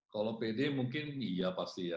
kalau pede mungkin iya pasti ya